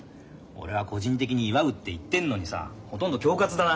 俺は個人的に祝うって言ってんのにさほとんど恐喝だな。